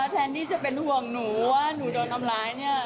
แทนที่จะเป็นห่วงหนูว่าหนูโดนทำร้ายเนี่ย